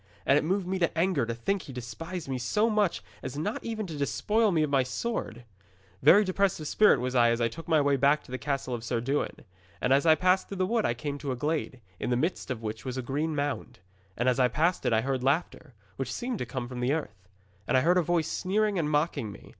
And it moved me to anger to think he despised me so much as not even to despoil me of my sword. 'Very depressed of spirit was I as I took my way back to the castle of Sir Dewin. And as I passed through the wood I came to a glade, in the midst of which was a green mound. And as I passed it I heard laughter, which seemed to come from the earth. And I heard a voice sneering and mocking me.